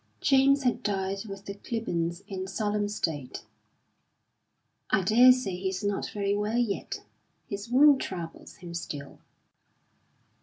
James had dined with the Clibborns in solemn state. "I daresay he's not very well yet. His wound troubles him still."